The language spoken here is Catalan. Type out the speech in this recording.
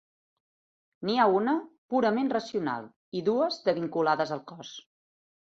N'hi ha una purament racional i dues de vinculades al cos.